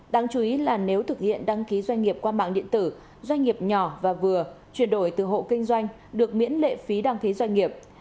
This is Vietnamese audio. đáng chú ý là nếu thực hiện đăng ký doanh nghiệp qua mạng điện tử doanh nghiệp nhỏ và vừa chuyển đổi từ hộ kinh doanh được miễn lệ phí đăng ký doanh nghiệp